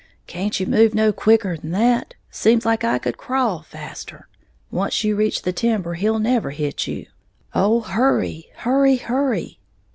"Can't you move no quicker'n that? Seems like I could crawl faster! Once you reach the timber, he'll never hit you! Oh, hurry! hurry! hurry!